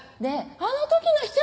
あの時の！